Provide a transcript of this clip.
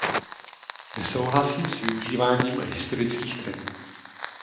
Nesouhlasím s využíváním historických trendů.